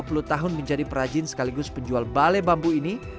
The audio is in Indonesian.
pria yang telah dua puluh tahun menjadi perajin sekaligus penjual bale bambu ini